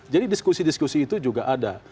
jadi diskusi diskusi itu juga ada